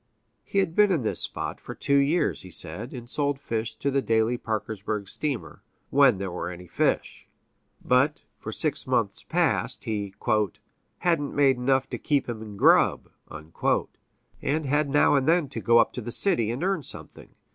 He had been in this spot for two years, he said, and sold fish to the daily Parkersburg steamer when there were any fish. But, for six months past, he "hadn't made enough to keep him in grub," and had now and then to go up to the city and earn something.